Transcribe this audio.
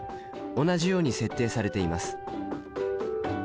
同じように設定されています。